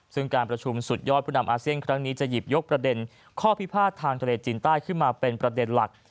ซึ่งการประชุมสุดยอดผู้นำอาเซียนครั้งนี้จะหยิบยกประเด็นข้อพิพาททางทะเลจีนใต้ขึ้นมาเป็นประเด็นหลัก